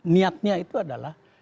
niatnya itu adalah